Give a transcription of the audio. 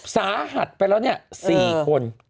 สาหัสไปแล้ว๔คน